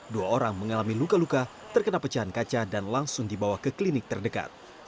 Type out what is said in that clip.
dua orang mengalami luka luka terkena pecahan kaca dan langsung dibawa ke klinik terdekat